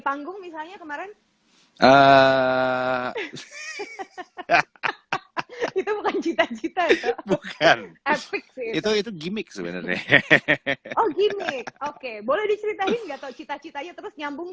panggung misalnya kemarin itu itu gimik sebenarnya oke boleh diceritain cita citanya terus nyambung